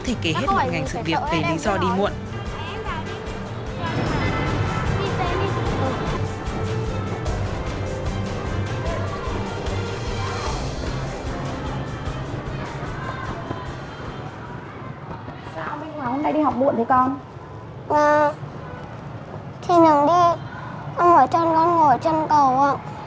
thì đừng đi con mỏi chân con ngồi chân cầu ạ